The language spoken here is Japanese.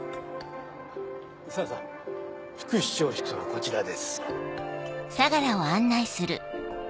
さぁさぁ副市長室はこちらです。